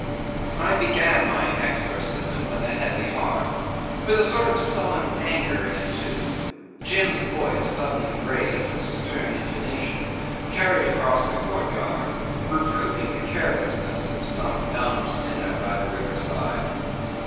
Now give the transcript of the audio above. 'I began my exorcism with a heavy heart, with a sort of sullen anger in it too. Jim's voice, suddenly raised with a stern intonation, carried across the courtyard, reproving the carelessness of some dumb sinner by the river side.